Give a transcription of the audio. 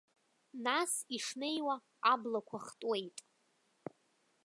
Нас, ишнеиуа, аблақәа хтуеит.